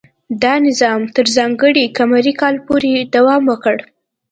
دا نظام تر ځانګړي قمري کال پورې دوام وکړ.